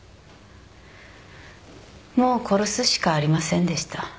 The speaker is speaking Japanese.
もう殺すしかありませんでした